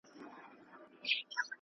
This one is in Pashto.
ازاد